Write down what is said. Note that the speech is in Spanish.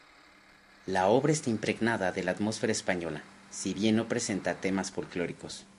La obra está impregnada de la atmósfera española, si bien no presenta temas folclóricos.